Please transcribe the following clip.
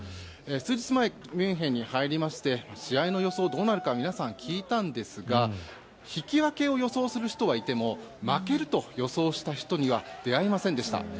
数日前、ミュンヘンに入りまして試合の予想、どうなるか皆さんに聞いたんですが引き分けを予想する人はいても負けると予想した人には出会いませんでした。